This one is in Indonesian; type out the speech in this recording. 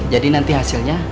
jadi nanti hasilnya